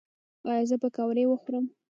ایا زه پکوړې وخورم؟